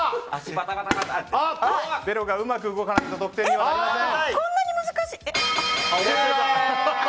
ベロがうまく動かないと得点にはなりません。